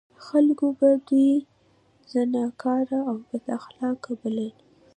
خلکو به دوی زناکار او بد اخلاق بلل.